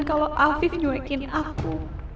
kalau alvif nyuekin aku